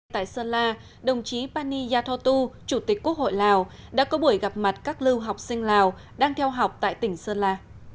tại sơn la đồng chí pani yathotu chủ tịch quốc hội lào đã có buổi gặp mặt các lưu học sinh lào đang theo học tại tỉnh sơn la